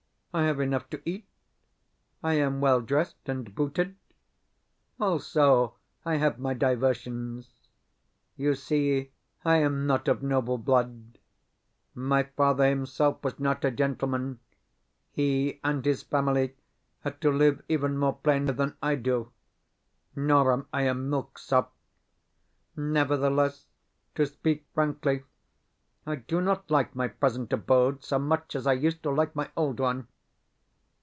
I have enough to eat, I am well dressed and booted. Also, I have my diversions. You see, I am not of noble blood. My father himself was not a gentleman; he and his family had to live even more plainly than I do. Nor am I a milksop. Nevertheless, to speak frankly, I do not like my present abode so much as I used to like my old one.